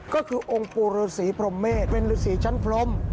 ก็คือองค์ปู่ฤษีพรหมเมษเป็นฤษีชั้นพรม